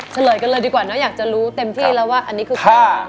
เฉลยกันเลยดีกว่าเนอะอยากจะรู้เต็มที่แล้วว่าอันนี้คือข้อ